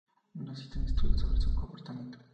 No existen estudios sobre su comportamiento.